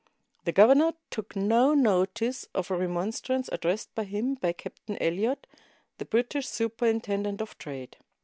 The governor took no notice of a remon strance addressed to him by Captain Eliot, the British superintendent of trade.